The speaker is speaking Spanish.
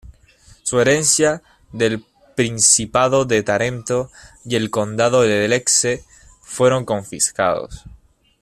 Su herencia del Principado de Tarento y el Condado de Lecce fueron confiscados.